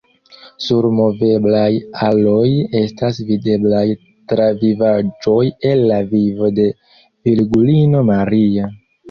Sur moveblaj aloj estas videblaj travivaĵoj el la vivo de Virgulino Maria.